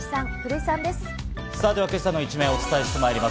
さあ、では今朝の一面をお伝えしてまいります。